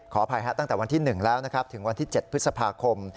ขออภัยตั้งแต่วันที่๑แล้วนะครับถึงวันที่๗พฤษภาคม